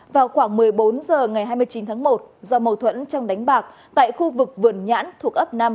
vào khoảng một mươi bốn h ngày hai mươi chín tháng một do mâu thuẫn trong đánh bạc tại khu vực vườn nhãn thuộc ấp năm